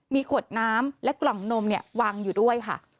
มีขวดน้ำและกล่องนมวางอยู่ด้วยค่ะ